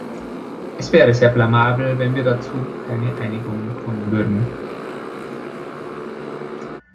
Es wäre sehr blamabel, wenn wir dazu keine Einigung kommen würden.